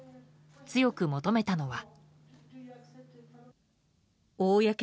強く求めたのは。